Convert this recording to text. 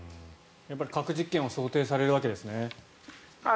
核実験は想定されるわけですね。